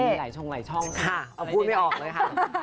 มีหลายช่องหลายช่องค่ะเอาพูดไม่ออกเลยค่ะ